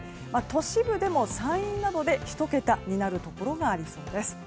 都市部でも山陰などで１桁となるところがありそうです。